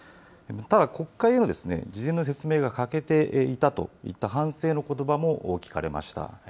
ただ、国会への事前の説明が欠けていたといった反省のことばも聞かれました。